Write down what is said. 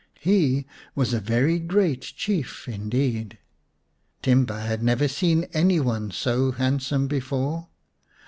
He was a very great Chief indeed ; Timba had never seen any one so handsome before.